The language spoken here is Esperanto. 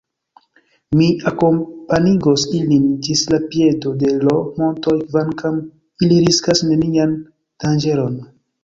Mi akompanigos ilin ĝis la piedo de l' montoj, kvankam ili riskas nenian danĝeron.